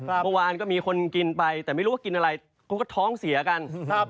เมื่อวานก็มีคนกินไปแต่ไม่รู้ว่ากินอะไรกูก็ท้องเสียกันครับ